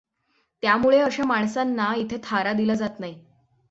त्यामुळे अशा माणसांना इथे थारा दिला जात नाही.